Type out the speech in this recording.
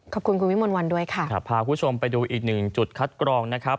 ขอบคุณคุณวิมนต์วันด้วยค่ะครับพาคุณผู้ชมไปดูอีกหนึ่งจุดคัดกรองนะครับ